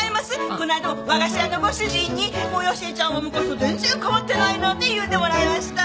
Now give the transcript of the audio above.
この間も和菓子屋のご主人に「もう良恵ちゃんは昔と全然変わってないなぁ」って言うてもらいました！